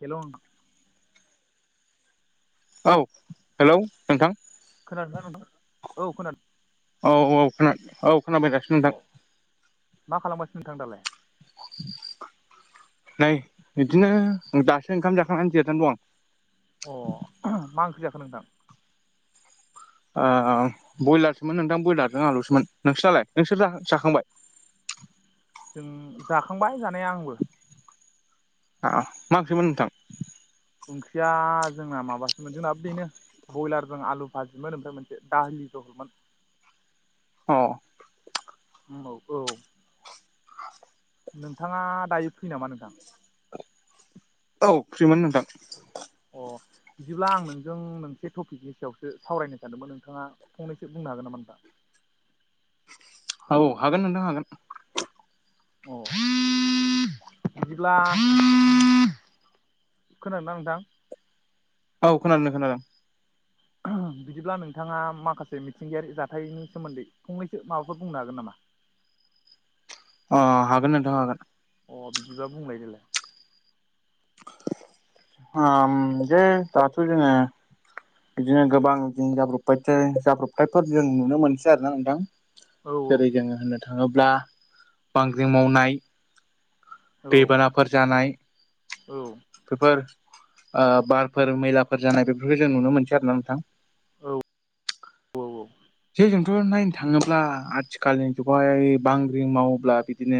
हेल' ओं। औ हेलौ नोंथां। खोनादों ना नोंथां? औ खोनाद औ औ खोना औ खोनाबाय दासो नोंथां। नोंथां दालाय। नै बिदिनो दासो ओंखाम जाखांनानै जेरायना दं आं। ओ ब्रयलारसोमोन नोंथां ब्रयलारजों आलुसोमोन नोंसोरहालाय नोंसोर जाखा जाखांबाय? जों जाखांबाय जानाया आंबो। ओ मा ओंख्रिमोन नोंथां? ओंख्रिया जोंना माबासोमोन जोंनाबो बेनो बयलार जों आलु भाजिमोन ओमफ्राय मोनसे दालि जहलमोन। अ'! औ औ नोंथाङा दायो फ्रि नामा नोंथां? औ फ्रिमोन नोंथां। अ'! बिदिब्ला आं नोंजों मोनसे टपिकनि सायावसो सावरायनो सानदोंमोन नोंथाङा फंनैसो बुंनो हागोन नामा नोंथा? [unintelligible] औ हागोन नोंथां हागोन। अ'। बिदिब्ला खोनादोंना नोंथां औ खोनादों खोनादों औ बिदिब्ला नोंथाङा माखासे मिथिंगायारि जाथायनि सोमोन्दै फंनैसो माबाफोर बुंनो हागोन नामा [unintelligible] अ हागोन नोंथां हागोन अ बिदिबा बुंलायदोलाय आ जे दाथ' जों बिदिनो गोबां जाब्रब जाब्रबथायफोर जों नुनो मोनसै आरोना नोंथां जेरै जोङो होननो थाङोब्ला बांग्रिं मावनाय दैबानाफोर जानाय बेफोर बारफोर मैलाफोर जानाय बेफोरखौ जों नुनो मोनसै आरो ना नोंथां औ औ औ जे जोंथ' नायनो थाङोब्ला आथिखालनि जुगावहाय बांग्रिं मावोब्ला बिदिनो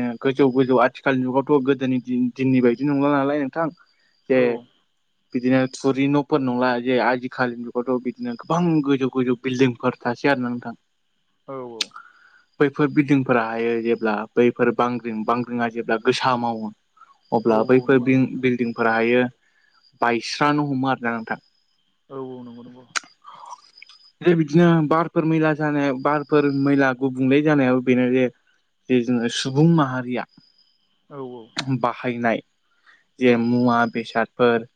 गोजौ आथिखालनि जुगावथ' गोदोनि दिननि बायदि नंला नालाय नोंथां ज बिदिनो थुरि न'फोर नंला जे आजिखालिनि जुगावथ' बिदिनो गोबां गोजौ गोजौ बिल्डिंफोर थासेआरोना नोंथां औ औ बैफोर बिल्डिंफोरा हायो जेब्ला बैफोर बांग्रिं अब्ला बैफोर बिल्डिंफोराहायो बायस्रानो हमो आरोना नोंथां औ औ नंगौ नगौ द बिदिनो बारफोर मैला जानाय बारफोर मैला गुबुंले जानायाबो बेनो जे जे जोङो सुबुं माहारिया बाहायनाय जे मुवा बेसादफोर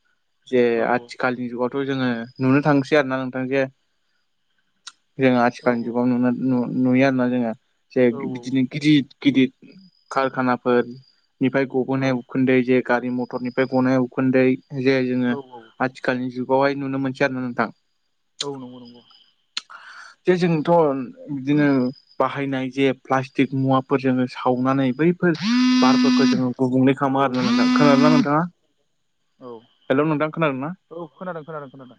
जे आथिखालनि जुगावथ' जोङो नुनो थांसै आरो ना नोंथां जे जों आथिखालनि जुगाव नुनो नुयो आरोना जोङो जे बिदिनो गिदद गिदिर कारखानाफोर निफ्राय गबोनाय उखोनदै जे गारि मथरनिफ्राय गनाय उखुदै जे जोङो आथिखालनि जुगावहाय नुनो मोनसै आरो ना नोंथां [unintelligible] जे जोंथ' बिदिनो बाहायनाय जे प्लास्टिक मुवाफोर जोङो सावनानै बैफोर बार फोरखौ जोङो गुबुंले खामो आरोना नोंथां खोनादों ना औ नोंथाङा हेलौ नोंथां खोनादों ना औ खोनादों खोनादों खोनादों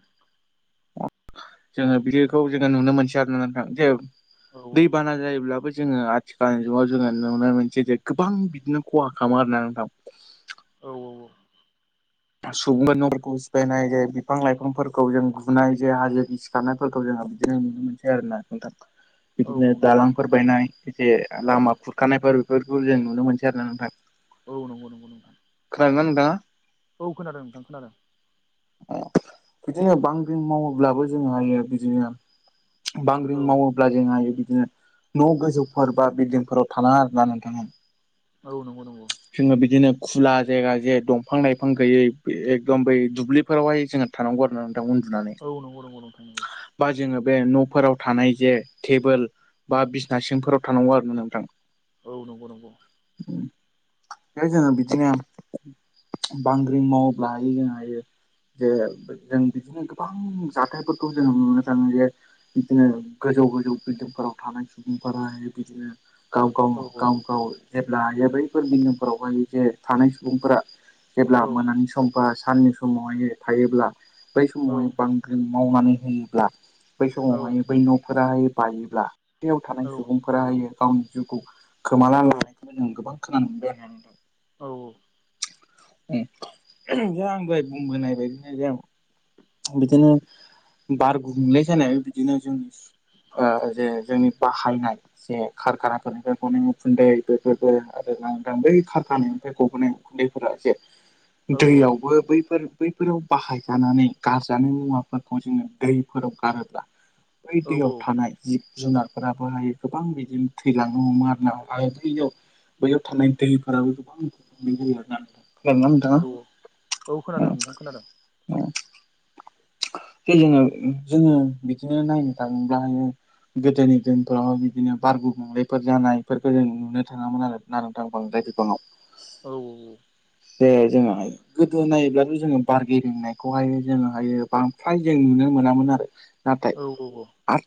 जोङो बिदिखौ जोङो नुनो मोनसै आरो ना नोंथां जे दैबाना जायोब्लाबो जोङो आथिखालनि जुगाव जोङो नुनो मोनो जे गोबां बिदिनो खहा खालामो आरो ना नोंथां सुबुंफोरा नफोरखौ सिफायनाय जे बिफां लाइफांफोरखौ जों गुनाय जे हाजो गिसिखारनायफोरखौ जों। आ बिदिनो मोनसे मोनसे आरो ना नोंथां। बिदिनो दालांफोर बायनाय जे लामा खुरखानायफोर बेफोरखौ जों नुनो मोनसै आरोना नोंथां। औ नंगौ। खोनादोंना नोंथांआ। खोनादों नोंथां खोनादों। बिदिनो बांग्रिं मावोब्लाबो जोंङो हायो बिदिनो। बांग्रिं मावोब्ला जों हायो बिदिनो। न गोजौफोर बा बिल्डिंफोराव थानाङा आरो नोंथांमोन। जोंङो बिदिनो खुला। जायगा जे दंफां लाइफां गैयै एकदम बै दुब्लिफोरावहाय जोंहा थानांगौ आरो ना। उन्दुनानै बा जोंङो बे नफोराव। थानाय जे टेबोल बा बिसिनासिंफोराव थानांगौ आरो ना नोंथां। औ नंगौ नंगौ। बे जोंङो बिदिनो। बांग्रिं मावोब्ला [inaudible] हायो। जे जों बिदिनो गोबां जाथायफोरखौ जों नुनो थांङो जे बिदिनो गोजौ। गोजौ गोजौ बिल्डिंफोराव थानाय सुबुंफोरा बिदिनो गाव गाव गाव गाव जेब्ला जाय बैफोर निगोमाफोरावहाय जे थानाय सुबुंफोरा जेब्ला मोनानि सम बा साननि समावहाय थायोब्ला बै समावहाय बांग्रिं मावनानै होयोब्ला बै समावहाय बै न'फोराहाय बायोब्ला बैयाव थानाय सुबुंफोराहाय गावनि जिउखौ खोमाना लानायखौनो जों गोबां खोनानो मोनदों आरो ना नोंथां। औ। उम उमह जे आं दहाय बुंबोनाय बायदिनो जायो। बिदिनो बार गुबुंले जानायाबो बिदिनो जोंनि ओ जे जोंनि बाहायनाय जे खारखानाफोर बेफोरनि उखुन्दै बेफोरबो आरो। लांदां बै खारखाना निफ्राय गबोनाय उखुन्दैफोरा जे दैयावबो बैफोर बैफोराव बाहायजानानै गारजानाय मुवाफोरखौ जोंङो दैफोराव गारोब्ला बै दैयाव थानाय जि जुनारफोराबोहाय गोबां बिदिनो थैलांनो हमो आरो ना आरो दैया बैयाव थानाय दैफोराबो गोबां [inaudible] खोनादोंना नोंथांङा। औ खोनादों नोंथां खोनादों। जे जोंङो जोंङो बिदिनो नायनो थांङोब्ला हायो। गोदोनि दिनफोराव बिदिनो बार गुबुंलेफोर जानायफोरखौ जों नुनो थांङामोन आरो ना नोंथां बांद्राय। ङ [inaudible] औ औ औ। ए जोंङो गोदो नायोब्लाथ' जोंङो बार गेबेंनायखौहाय। जोंङो हायो बांद्राय जों नुनो मोनामोन आरो नाथाय।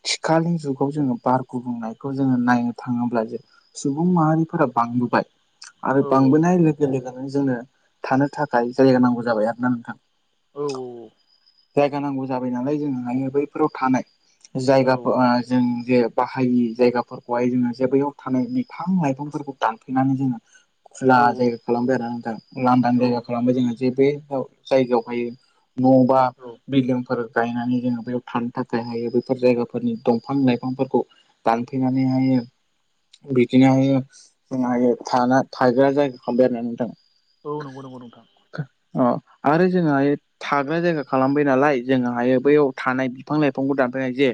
थिखालनि जुगाव जोंङो बार गुबुंनायखौ जोंङो नायनो थांङोब्ला जे सुबुं माहारिफोरा बांसिन। बाय। आरो बांबोनाय लोगो लोगोनो जोंनो थानो थाखाय जायगा नांगौ जाबाय आरोना नोंथां। औ औ औ। जायगा नांगौ जाबाय नालाय जोंहा बैफोराव थानाय। जायगाखौ जों जे बाहायि जायगाफोरखौहाय जोंङो जे बैयाव थानाय बिफां लाइफां। फोरखौ दानफायनानै जोंङो। खुला जायगा खालामबाय आरो ना दा लांदां जायगा खालामबाय जोंङो जेबो जायगायावहायो। न' बां। बिल्डिंफोर गायनानै जोंङो बेयाव थानो थाखाय हायो बेफोर जायगाफोरनि दंफां लाइफांफोरखौ। दानफाय नानैहाय। बिदिनो जोंना थानाय थायग्रा जायगाखौ खामबाय आरोना नोंथां औ नंगौ नंगौ नोंथां अ आरो जोंहा थाग्रा जायगा खालामबाय नालाय जोंङो हायो बैयाव थानाय बिफां लाइफांखौ दानफैनाय जे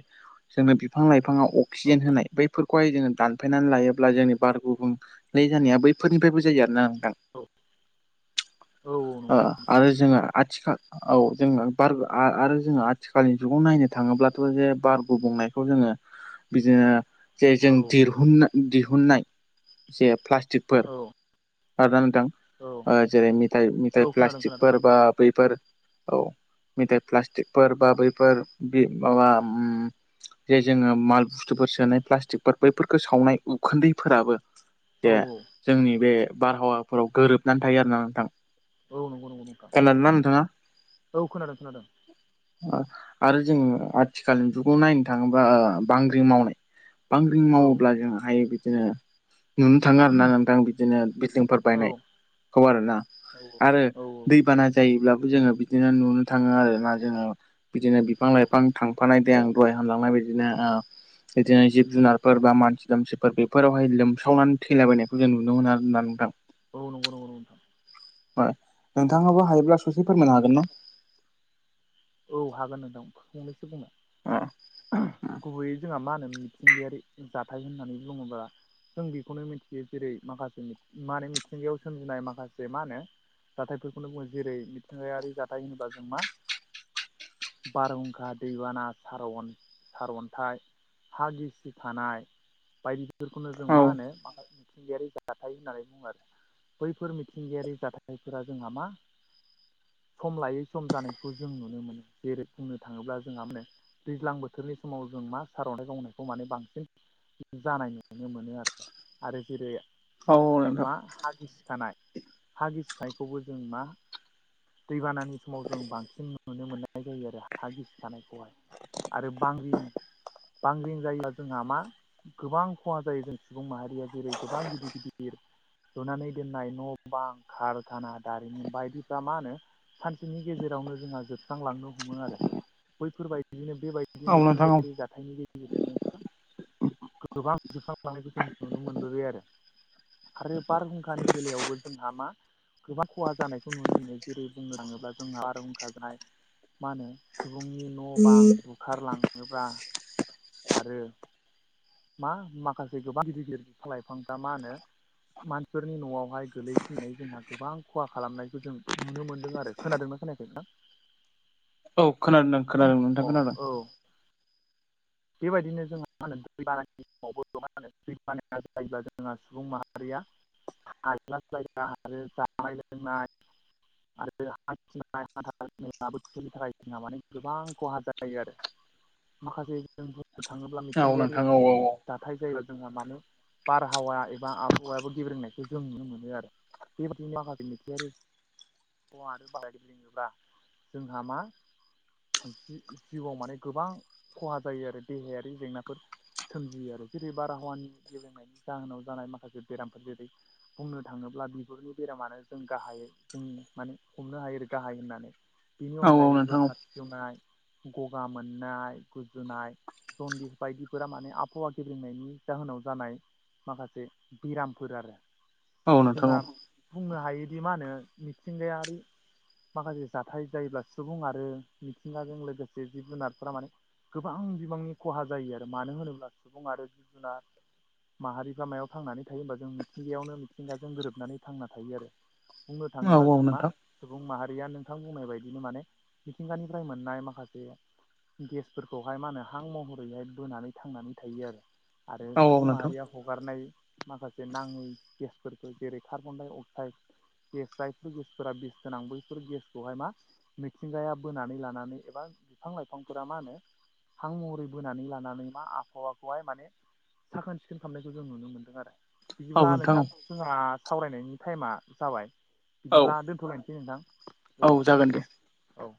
जोंनो बिफां लाइफांङाव अक्सिजेन होनाय बैफोरखौहाय जोंङो दानफायनानै लायोब्ला जोंनि बार गुबुं जानाया बैफोरनिफ्रायबो जायो आरोना नोंथां [inaudible] ओ आरो जोंङो आथिखाल औ जोंनो बार आ-आरो जोंङो आथिखालनि जुगाव नायनो थांङोब्लाथ' जे बारगुबुंनायखौ जोंङो बिदिनो जे जों दिरहुननो दिहुननाय जे प्लास्टिकफोर आरो नोंथां जेरै मिथाय मेथाय प्लास्टिकफोर बा बैफोर औ मेथाइ प्लास्टिकफोर बा बैफोर बि माबा उम जे जोङो माल बुस्थुफोर सोनो प्लास्टिकफोर बैफोरखौ सावनाय उखुन्दैफोराबो जे जोंनि बे बारहावाफोराव गोरोबनानै थायो आरोना नोंथां। खोनादों ना नोंथाङा औ खोनादों खोनादों जोङो आथिखालनि जुगाव नायनो थाङोबा बांग्रि मावनाय बांग्रिं मावोब्ला जों हायो बिदिनो नुनो थाङो आरो ना नोंथां आं बिदिनो जोंफोर बायनायखौ आरोना आरो दै बाना जायोब्लाबो जोङो बि दिनो नुनो थाङो आर ना जोङो बिदिनो बिफां लाइफां थांफानाय दैे दहाय हामलांनाय बिदिनो बिदिनो जिब जुनारफोर बा मानसि दामसिफोर बेफोरावहाय लोमसावनानै थैलाबायनायखौ जों नुनो मोना होननानै [unintelligible] औ नंगौ नंगौ नंगौ नोंथाङाबो हायोब्ला ससे फोरमायनो हागोन ना औ हागोन नोंथां फंनैसो बुंना गुबैयै जोंहा मा होनो मिथिंगायारि जाथाय होननानै बुङोब्ला जों बेखौनो मिथियो जेरै माखासे मा होने मिथिंगायाव सोमजिनाय माखासे मा होनो जाथायफोरखौनो बुङो जेरै मिथिंगायारि जाथाय होनोबा जों मा बारहुंखा दैबाना सार सारअन्थाइ हा गिसिखानाय बायदिफोरखौनो जों औ मा होनो मिथिंगायारि जाथाय होननानै बुङो आरो बैफोर मिथिंगायारि जाथायफोरा जोंहा मा सम लायै सम जानायखौ जों नुनो मोनो जेरै बुंनो थाङोब्ला जोंहा माने दैज्लां बोथोरनि समाव जों मा सार'थाय गावनायखौ माने बांसिन जानाय नुनो मोनो आरो आरो जेरै औ नोंथां मा हागिसिखानाय हा गिसिखायखौबो जों मा दैबानानि समाव जों बांसिन नुनो मोन- नाय जायो आरो हा गिसि खानायखौहाय आरो बांग्रिं बांग्रिं जायोब्ला जोंहा मा गोबां खहा जायो जों सुबुं माहारिया जेरै गोबां गिदिर गिदिर लुनानै दोननाय न' बां खारखाना दारिमिन बायदिफ्रा मा होनो सानसेनि गेजेरावनो जोंहा जोब- स्रांलांनो हमो आरो बैफोरबायदिनो बेबायदि औ नोंथां औ मिथिंगायारि जाथायनि गोबां जोबखां लानायखौ जों नुनो मोनबोबाय आरो आरो बारहुंखानि बेलायावबो जोंहा मा गोबां खहा जानायखौ नुनो मोनो जेरै बुंनो थाङोब्ला जोंहा बारहुंखा जानाय मा होनो सुबुंनि न' बां बुखारलाङो थाङोब्ला आरो मा माखासे गोबां गिदिर गिदिर बिफां लाइफांफ्रा मा होनो मानसिफोरनि न'आवहाय गोलैसिननानै जोंहा गोबां खहा खालामनायखौ जों नुनो मोनदों आरो खोनादोंमोन खोनायाखै नोंथां औ खोनादों खोनादों नोंथां खोनादों। बेबायदिनो जोंहा मा होनो दै बानायनि समावबो होनो दै बानाया जायोब्ला जोंहा सुबुं माहारिया [unintelligible] आरो हथि हामला बोथोरनि थाखायना माने गोबां खहा जायो आरो। माखासे जों बुंनो थाङोब्ला औ मिथिंगायारि नोंथां औ औ जाथाय जायो। जोंहा मानोे बारहावा एबा आबहावायाबो गेब्रेंनायखौ जों नुनो मोनो आरो। बे बादि लामा दिनथियारि आरो बाराय लांङोब्ला जोंहा मा जि जिउआव माने गोबां खहा जायो आरो देहायारि जेंनाफोर सोमजियो आरो जेरै बारहावानि गेबेंनायनि जाहोनाव जानाय माखासे बेरामफोर जेरै बुंनो थाङोब्ला अब्ला बिगुरनि बेरामानो जों गाहायै जों माने हमनो हायो गाहाय होननानै। बेनि औ औ अनगायैबो नोंथां हारसिवनाय गगा मोननाय गुजुनाय जन्दिस बायदिफोरा माने आबहावा गेब्रेंनायनि जाहोनाव जानाय। माखासे बेरामफोर आरो औ नोंथां जोंहा औ बुंनो हायो। बिदि मा होनो मिथिंगायारि माखासे जाथाय जायोब्ला सुबुं आरो मिथिंगाजों लोगोसे जिब जुनारफोरा माने गोबां बिबांनि खहा जायो आरो मानो होनोब्ला सुबुं आरो जिब जुनार माहारिफ्रा मायाव थांनानै थायो होमबा जों मिथिंगायावनो मिथिंगाजों गोरोबनानै थांना थायो आरो। बुंनो थाङोब्ला औ जों औ मा नोंथां सुबुं माहारि नोंथां बुंनाय बायदिनो माने मिथिंगानिफ्राय मोननाय माखासेे फोरखौहाय मा होनो हां महरैहाय बोनानै थांनानै थायो आरो। आरो औ सुबुं नोंथां माहारिया हगारनाय माखासे नाङै गेसफोरखौ जेरै कार्बनडाय अक्साइड गेस जायफोर गेसफोरा बिस गोनां बैफोर गेसखौहाय मा मिथिंगाया बोनानै लानानै एबा बिफां लाइफांफोरा मा होनो हां महरै बोनानै लानानै मा आबहावाखौहाय माने साखोन सिखोन खालामनायखौ जों नुनो मोन्दों आरो। बिदिब्ला नोंथां जोंहा सावरायनायनि टाइमा जाबाय। औ बिदिब्ला दोनथ'लायनोसै नोंथां औ जागोन दे औ औ।